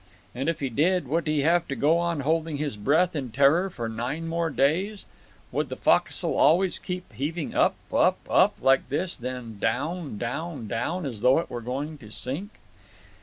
And if he did, would he have to go on holding his breath in terror for nine more days? Would the fo'c'sle always keep heaving up—up—up, like this, then down—down—down, as though it were going to sink?